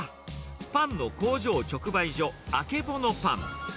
パンの工場直売所、あけぼのパン。